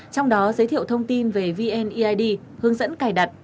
trong đó giới thiệu thông tin về vneid hướng dẫn cài đặt